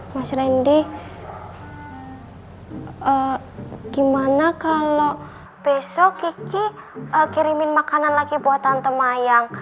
mas rendy gimana kalau besok kiki kirimin makanan lagi buat tante mayang